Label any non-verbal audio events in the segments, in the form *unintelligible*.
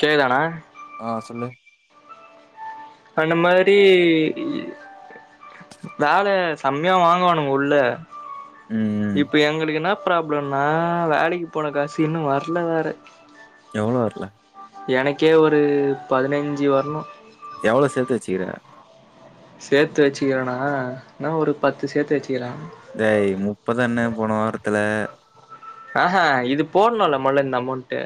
K தானா ஆ சொல்லு அன்ன மாரி இயே வேல சம்மையா வாங்குவானுங்க உள்ள ம் இப்போ எங்களுக்கு என்ன பிராபளம் னா வேலக்கு போன காசு இன்னு வரல வேற எவ்ளோ வரல எனக்கே ஒரு பதினைஞ்சி வரணு எவ்ளோ சேத்து வெச்சிகீர சேத்து வச்சிகிறேனா என்ன ஒரு பத்து சேத்து வச்சிகிற தேய் முப்பது இன்ன போன வாரத்துல அ ஹ இது போன்னுல மொல்ல இந்த அமொண்டு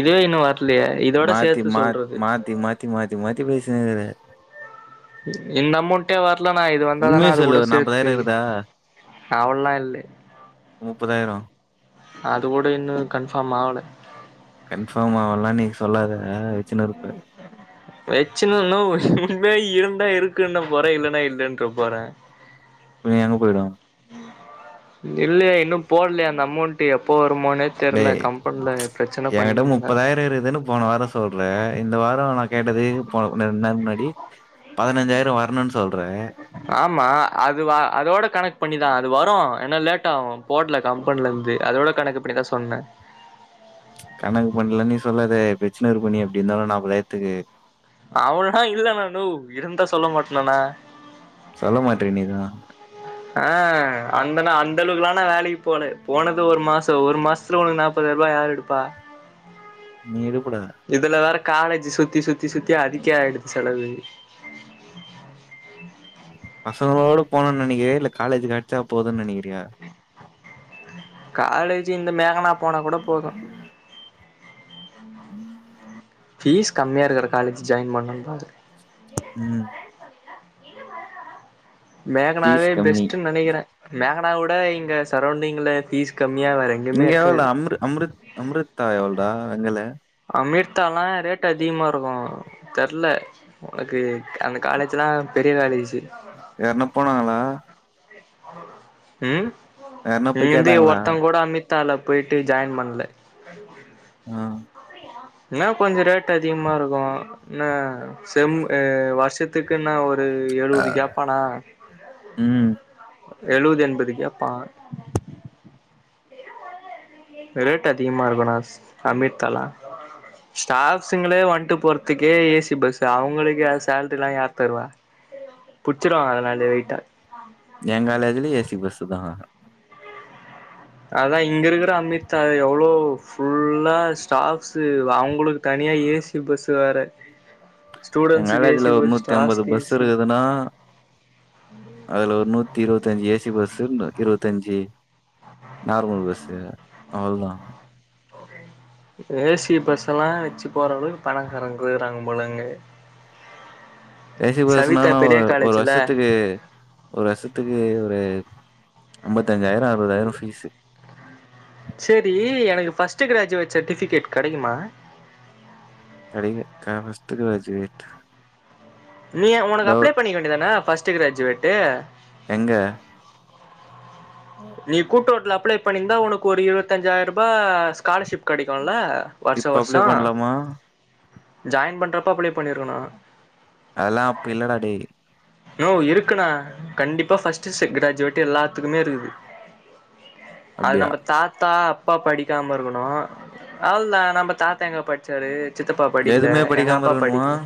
இதுவே இன்னு வர்லயே இதோட மாத்தி சேத்து மா சொல்றது மாத்தி மாத்தி மாத்தி மாத்தி பேசினுகிற இந்த அமொண்டே வர்லேனா இது உண்மைய வந்தாதானா அது சொல்லு கூட ஒரு நாப்பதாயிரோ சேத்து இருக்குதா நல்லா இல்லே முப்பதாயிரோ அது கூட இன்னு கன்ஃபாம் ஆவல கன்ஃபாம் ஆவுலன நீ சொல்லாத வச்சின்னு இருப்ப வெச்சுனு நோவ் இருந்த இருக்குன்னு போற இல்லன்னா இல்லன்ற போற நீ எங்க போய்டுவ இல்லே இன்னு போடலயா அந்த அமொண்ட்டு எப்போ வருமோனே தெர்ல டேய் கம்பென்ல பிரச்சன பண்ணினுகிறாரு நேரு எதனப் போன வாரோ சொல்றே இந்த வாரோ நா கேட்டதுக்கு போ ரெண்டு நாள் முன்னாடி பதனஞ்சாயிரோ வர்ணு சொல்றே ஆமா அதுவா அதோட கனக் பண்ணிதா அது வரு ஏனா லேட்டாகு போடுல கம்பெனிலந்து அதோட கணக்கு பண்ணி தா சொன்னே கணக்கு பண்ல நீ சொல்லாத பிச்சினு இருப்ப நீ எப்டி இருந்தாலு நாப்பதாயிரத்துக்கு அவுலா ல இல்லனா நோவ் இருந்தா சொல்லமாட்னேனா சொல்லமாட்டிரியே நீ தா ஆ அந்த நா அந்த அளவுக்குலா நா வேலைக்கு போல போனது ஒரு மாசோ ஒரு மாஸ் இத்துலஒன்னு நாப்பதாயிர்பா யார் எடுப்பா நீ எடுப்படா இதுல வேற காலேஜி சுத்தி சுத்தி சுத்தி அதுக்கே ஆயிடுது செலவு பசங்களோடு போனுன்னு நெனைக்கிறியா இல்ல காலேஜ் கெச்சா போதுனு நெனைகிறியா காலேஜி இந்த மேகனா போனா கூட போது ம் பீஸ் கம்மியா இருக்குற காலேஜு ஜாயின் பண்ணுனோனு பாக்கர ம் ஃபீஸ் மேகனாவே கம்மி பெஸ்ட்டு நெனைக்கிறே மேகனாவுட இங்க சரொண்டிங்ல பீஸ் கம்மியா வேற எங் இங்க எவுலடா அம்ர் அம்முர் அமுர்தா எவுலடா வெங்கலு அமிர்தா லா ரேட் அதிகமா இருக்கூ தெர்ல உனக்கு அந்த காலேஜ்லா பெரிய காலேஜ்ஜு யார்னா போனாங்களா ம் யார்னா போய் இங்கிந்து கேட்டாங்களா ஒர்த்த கூட அமித்தால போயிட்டு ஜாயின் பண்ணல *inaudible* ஆ என்ன கொஞ்ச ரேட் அதிகமா இருக்கு என்ன செம் எ வருஷத்துக்குன்ன ஒரு ஒரு எழுவது கேப்பானா ம் எழுவது எண்பது கேப்பா ரேட் அதிகமா இருக்குண்ணாஸ் அமீர்தால ஸ்டாப்ஸுங்களே வன்ட்டு போறதுக்கே ஏசி பஸ்சா அவங்களுக்கு யார் சேலரி எல்லா யார் தருவா புட்சுருவாங்க அதல *unintelligible* வெயிட்டா எ காலேஜ்லயு ஏசி பஸ்சு தா அதா இங்க இருக்கிற அமிர்தா எவ்வளோ ஃபுல்லா ஸ்டாப்ஸு அவங்களுக்கு தனியா ஏசி எங்க பஸ் வேற எ ஸ்டூடெண்ட்ஸுக்கு ஏசி காலேஜ்ல ஒரு பஸ் நூத்தி அம்பது ஸ்டாஃப்ஸ்க்கு பஸ் ஏசி இருக்குதுன்னா அதுல ஒரு நூத்தி இருபத்தஞ்சு ஏசி பஸ்சு *unintelligible* இருபத்தஞ்சு நார்மல் பஸ்ஸு அவ்லோதா ஏசி பஸ் எல்லா வெச்சு போற அளவுக்கு பணம்காரங்க இருக்குறாங்க போலங்க ஏசி சவிதா பஸ்ன்னாலு பெரிய ஒரு ஒரு காலேஜ்ல வருஷத்துக்கு ஒரு வருஷத்துக்கு ஒரு அம்பதஞ்சாயிரோ அறுவதுதாயிரோ பீஸ்சு சேரி எனக்கு ஃபர்ஸ்ட்டு கிராஜுவேட் சர்டிஃபிகேட் கெடைக்குமா கெடைக்கு *unintelligible* ஃபர்ஸ்ட் கிராஜுவேட் நீ ஒனக்கு அப்ளை டவுட் பண்ணிக்க வேண்டியதான ஃபர்ஸ்ட் கிராஜுவேட் எங்க நீ கூட்ரோட்ல அப்ளை பண்ணிருந்தா ஒனக்கு ஒரு இருபத்தஞ்சாயிரம் ரூபா ஸ்காலர்ஷிப் கெடைக்குல வருஷோ இப்ப அப்ளை வருஷோ பண்லாமா ஜாயின் பண்றப்ப அப்ளை பண்ணிருக்கணு அதல்லா அப்ப இல்லடா டேய் நோவ் இருக்குண்ணா கண்டிப்பா ஃபர்ஸ்ட்டு செ கிராஜுவேட்டு எல்லாத்துக்குமே இருக்குது அது அப்டியா நம்ப தாத்தா அப்பா படிக்காம இருக்கணு அவ்ள்தா நம்ப தாத்தா எங்க பட்ச்சாரு சித்தப்பா படிக்கல எதுமே எங்க படிக்காம அப்பா இருக்கணுமா படிக்கல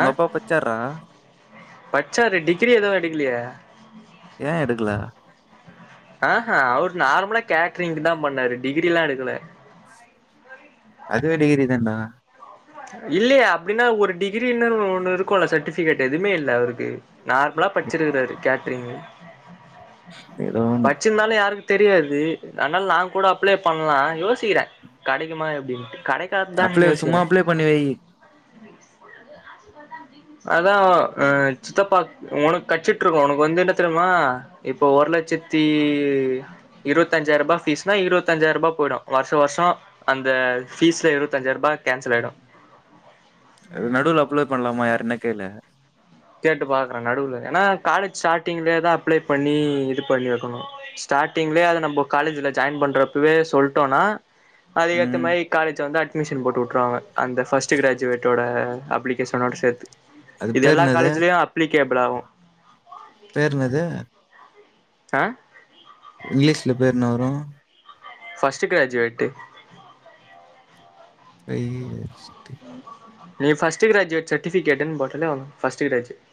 அ அப்பா பச்சார்றா பட்ச்சாரு டிகிரி எதுவு எடுக்லையே ஏ எடுக்கல அஹ அவர் நார்மலா கேட்ரிங்க் தா பண்ணாரு டிகிரி எல்லா எடுக்கல அதுவே டகிரி தான்டா இல்லையே அப்டின்னா ஒரு டிகிரின்னு ஒன்னு இருக்குல்ல சட்டுபிகட்டு எதுமே இல்ல அவருக்கு நார்மலா பட்ச்சிருக்குறாரு கேட்ரிங்கு ஏதோ ஒன்னு இருந்தாலு யாருக்கு தெரியாது அத்னால நா கூட அப்ளை பண்ணலா யோசிக்கிறே கெடைக்குமா எப்டின்ட்டு கெடைக்க அப்ளை சும்மா அப்ளை பண்ணி வை *inaudible* அதா அ சித்தப்பா உனக் கெட்ச்சிட்ட இருக்கு உனக்கு வந்து என்ன தெரும்மா இப்போ ஒரு லெச்சத்தி இருவத்தஞ்சாய ருபா ஃபீஸ்னா இருவத்தஞ்சாய ருபா போய்டு வர்ஷொ வர்ஷோ அந்த ஃபீஸ்ல இருவத்தஞ்சாய ருபா கேன்சல் ஆய்டு அது நடுவுல அப்ளை பண்லாமா யார்ட்டனா கேளு கேட்டு பாக்குறே நடுவுல ஏன்னா காலேஜ் ஸ்டார்டிங்லே தா அப்ளை பண்ணி இது பண்ணி வக்கணு ஸ்டார்டிங்லே அத நம்பொ காலேஜ்ல ஜாயின் பண்றப்பவே சொல்ட்டோனா அதுக்கேத்த ம் மாரி காலேஜ் வந்து அட்மிஷன் போட்டு வுட்ருவாங்க அந்த ஃபர்ஸ்ட்டு கிராஜுவேட்டோட அப்ளிகேஷனோட சேத்து அது பேரு என்னது தா அப்ளிகேபுல் ஆகு பேர் என்னது அ இங்லீஷ்ல பேர் என்னா வரு ஃபர்ஸ்ட்டு கிராஜுவேட்டு் ஐய்யய்ய *inaudible* நீ ஃபர்ஸ்ட்டு கிராஜுவேட் சட்டுஃபிகெட்னு போட்டாலே *unintelligible* ஃபர்ஸ்ட்டு கிராஜுவேட்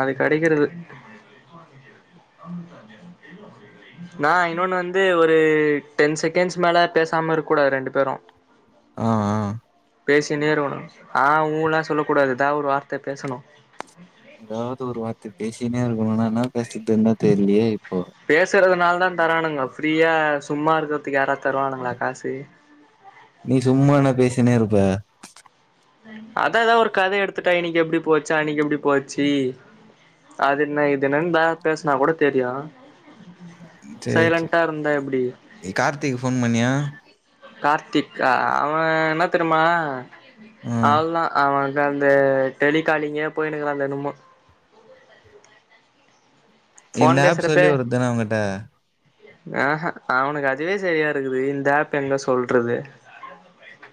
அது கெடைக்கிறது நா இன்னொன்னு வந்து ஒரு டென் செகெண்ட்ஸ் மேல பேசாம இருக் கூடாது ரெண்டு பேரொ ஆ ஆ பேசினே இருகனு ஆ ஊல்லா சொல்லக் கூடாது எதா ஒரு வார்த்த பேசனு எதாவ்து ஒரு வார்த்த பேசின்னே இருக்கணுனா என்னா பேசுதுன்தா தெர்லியே இப்போ பேசுறதுனால தா தரானுங்கோ ஃப்ரீயா சும்மா இருக்குறதுக்கு யாராது தருவானுங்ளா காசு நீ சும்மான்னா பேசினே இருப்ப அதா எதா ஒரு கத எடுத்துட்டா இன்னக்கி எப்டி போச்சு அன்னக்கி எப்டி போச்சி அதென்ன இதென்னன்னு தா பேசுனா கூட தெரியொ சேரி சேர் நீ கார்த்திக்கு ஃபோன் பண்ணியா கார்த்திக்கா அவெ என்னா தெரிம்மா ம் அவ்ள்தா அவெ இந்தா அந்த டெலிகாலிங்கே போயிண்ணுக்குறா ந்தென்னமோ இந்த ஃபோன் ஆப் சொல்லி ஒருதனா அவுங்கட்ட அஹ அவனுக்கு அதுவே சரியா இருக்குது இந்த ஆப் எங்க சொல்றது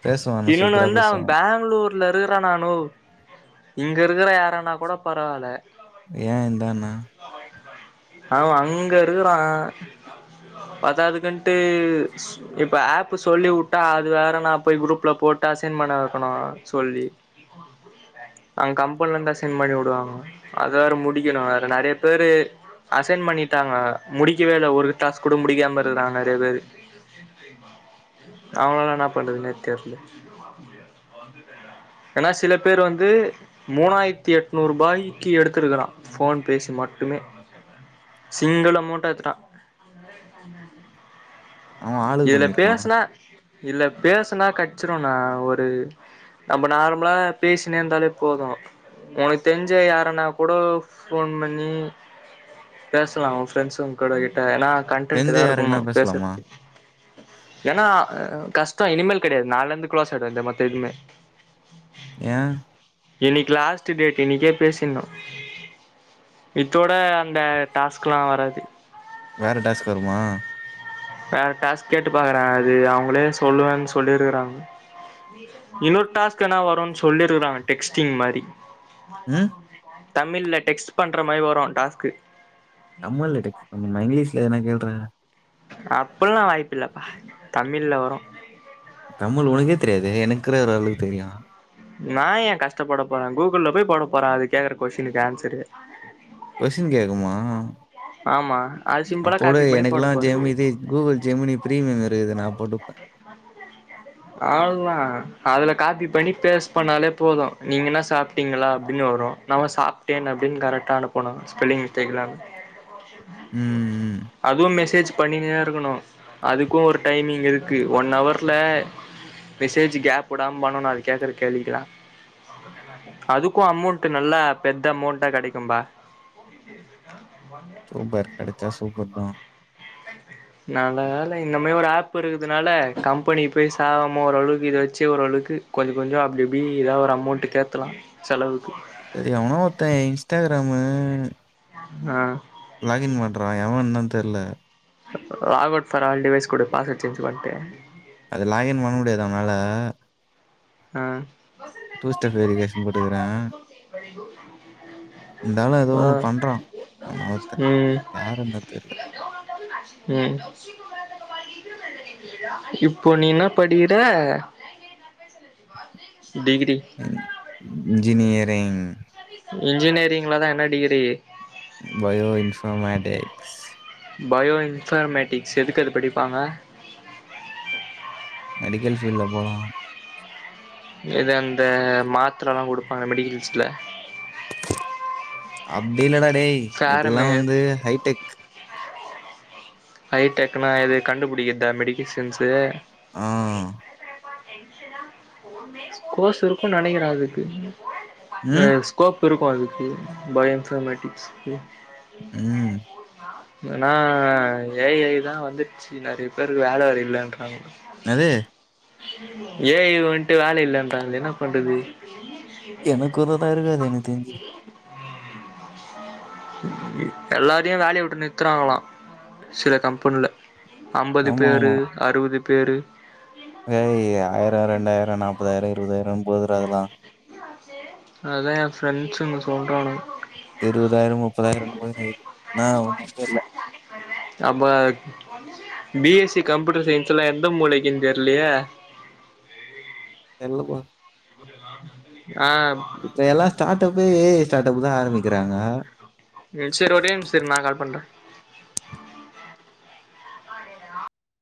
பேசுவான் ஆனா இன்னொன்னு சூப்பரா வந்து அவன் பேசுவான் பேங்ளூர் ல இருக்குறான்னா ணோவ் இங்க இருக்குற யாரானா கூட பரவால ஏ இர்ந்தா என்ன அவன் அங்க இருக்குறா பத்தாதுக்குன்ட்டு இப்ப ஆப் சொல்லிவுட்டா அது வேற நா போய் குரூப்ல போட்டு அசைன் பண்ண வெக்கணு சொல்லி அங் கம்பனில இருந்து தா சென்ட் பண்ணிவுடுவாங்க அத வேற முடிக்கணு வேற நறையா பேரு அசைன் பண்ணிட்டாங்க முடிக்கவே இல்ல ஒரு டாஸ்க் கூட முடிக்காம இருக்றாங்க நறைய பேரு அவங்களலா என்னாப் பண்றதுனே தெர்ல ஆனா சில பேர் வந்து மூணாயிர்த்தி எட்நூர் ரூபாய்க்கு எடுத்துருக்கறா ஃபோன் பேசி மட்டுமே சிங்கிள் அமௌண்ட் அதா அவன் *inaudible* ஆளுக்கு இதுல பண்ணியிருப்பான் பேசுனா இல்ல பேசுனா கெடச்சிருங்க ஒரு நம்ம நார்மலா பேசினே இருந்தாலே போது உனக்கு தெஞ்ச யாரன்னா கூடோ ஃபோன் பண்ணி பேசலா ஒ ஃப்ரெண்ட்ஸுங் கூட கிட்ட ஆனா கண்டென்ட்டு தெரிஞ்ச இதா இருக்கணு யாருக்குன்னா பேசலாமா பேசறதுக்கு ஏன்னா கஷ்டோ இனிமேல் கிடையாது நாள்லர்ந்து குலோஸ் ஆய்டு இந்த மொத்த இதுமே ஏ இன்னிக்கி லாஸ்ட்டு டேட் இன்னிக்கே பேசிர்ன்ணு இத்தோட அந்த டாஸ்க்லா வராது வேற டாஸ்க் வருமா வேற டாஸ்க் கேட்டு பாக்குற அது அவுங்களே சொல்லுவன்னு சொல்லிருக்கறாங்க இன்னொரு டாஸ்க் ஆனா வருனு சொல்லிருக்கறாங்க டெக்ஸ்டிங் மாரி ம் தமிழ்ல டெக்ஸ்ட் பண்ற மாரி வரு டாஸ்க்கு தமிழ்ல்ல டெக்ஸ்ட் பண்ணனுமா இங்கீஷ்ல எதனா கேள்றா அப்பட்ல்லா வாய்ப்பு இல்லப்பா தமிழ்ல வரு தமிழ் ஒனக்கே தெரியாது எனக்குற ஒரு அளவுக்கு தெரியு நா ஏ கஷ்டப்பட போற கூகுள்ளப் போய் போட போற அது கேக்கற கொஸ்டினுக்கு ஆன்சரு கொஸ்டின் கேக்குமா ஆமா அது சிம்பிளா அப்ப உடு காப்பி பண்ணி போட எனக்கெல்லா போறது ஜெமிதி கூகுள் ஜெமினி பிரிமியம் இருக்குது நா போட்டுப்பே *inaudible* அவ்ளோதா அதுல காபி பண்ணி பேஸ் பண்ணாலே போது நீங்க என்ன சாப்பிட்டீங்களா அப்டின்னு வரு நம்ம சாப்ட்டே அப்டின்னு கரெக்டா அனுப்பனு ஸ்பெல்லிங் மிஸ்டேக் இல்லாம ம் அதுவு மெசேஜ் பண்ணிணே இருக்கணு அதுக்குஒரு டைமிங் இருக்கு ஒன் அவர்ல மெசேஜ் கேப் விடாம பண்ணனு அது கேக்குற கேள்விக்கலா அதுக்கு அமௌண்ட் நல்ல பெத்த அமௌண்ட்டா கிடைக்கும்பா *inaudible* சூப்பர் கெடச்சா சூப்பர் பா நல்ல வேல இந்த மேரி ஒரு ஆப் இருக்குதுனால கம்பெனிக்கு போய் சாவாம ஓரளவுக்கு இத வச்சு ஓரளவுக்கு கொஞ்சோ கொஞ்சோ அப்டி இப்டி ஏதா ஒரு அமௌண்ட்டு தேத்தலா செலவுக்கு எவனோ ஒருத்த இன்ஸ்டாகிராமு ஆ லாக்இன் பண்றா எவன்னு தா தெர்ல லாகவுட் பார் ஆல் டிவைஸ் குடு பாஸ்வேட் சேஞ் பண்டு அது லாகின் பண்ண முடியாத அவனால ஆ டூஸ்டெப் வெரிகேஷன் போட்டுக்கறே இந்தாலு ஏதோ ஆ ஒண்ணு பண்றா வினோத்து ம் யாருன்தா தெர்ல ம் இப்போ நீ என்னா படிகிற டிக்ரி இன் இன்ஜினியரிங் இன்ஜினியரிங்லதா என்ன டிகிரி பயோஇன்ஃபர்மேட்டிக்ஸ் பயோ இன்ஃபர்மேட்டிக்ஸ் எதுக்கு அது படிப்பாங்க மெடிக்கல் ஃபீல்ல போலாம் எது அந்த மாத்திரலா கொடுப்பாங்க மெடிக்கல்ஸ்ல அப்டில்லடா டேய் இதெல்லா ஃபேரமே வந்து ஹைடெக் ஹைடெக்னா எது கண்டுபுடிக்கதா மெடிகிசின்ஸு ஆ *unintelligible* கோர்ஸ் இருக்கு நினைக்கறா அதுக்கு ம். அஸ் கோப்பு இருக்கு அதுக்கு பயோஃபமேட்டிக்ஸ் ம். ஏனா ஏஐ தா வந்துச்சு நிறைய பேருக்கு வேல வேர இல்லன்றாங்க அது ஏஐ வன்ட்டு வேல இல்லென்றாங்க என்ன பண்றது எனக்குறதா இருக்காது என தெரிஞ்சு எல்லாரையு வேலய வுட்டு நிறத்துறாங்களா சில கம்பென்ல அம்பது ஆமா, பேரு அறுவது பேரு ஏ ஐ ஆ ஆயிரோ ரெண்டாயிரோ நாப்பதாயிரோ இருவதாயிரம்னு போதுற அதெல்லா அதா எ பிரெண்ட்ஸ்ங்க சொல்றானுக இருவதாயிரோ முப்பதாயிரோ போது நா ஒண்ணும்மே இல் அப பிஎஸ்சி கம்ப்யூட்டர் சயின்ஸ்லா எந்த மூளைக்குன் தெரிலயே எல்லப்ப ஆ ஆ இப்பல்லா ஸ்டார்ட்டப்பே ஏஐ ஸ்டார்ட அப் தா ஆரம்பிக்கிறாங்க ம் செரி ஒரே நிமிஷோ இரு நா கால் பண்றே